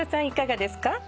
いかがですか？